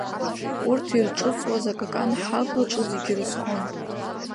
Урҭ ирҿыҵуаз акакан ҳҳаблаҿы зегьы ирызхон.